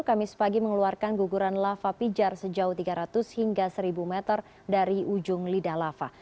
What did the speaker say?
kamis pagi mengeluarkan guguran lava pijar sejauh tiga ratus hingga seribu meter dari ujung lidah lava